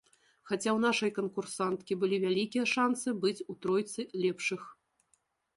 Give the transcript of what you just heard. Хаця ў нашай канкурсанткі былі вялікія шанцы быць у тройцы лепшых.